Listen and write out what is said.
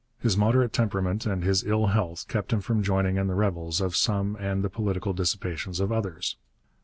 His moderate temperament and his ill health kept him from joining in the revels of some and the political dissipations of others.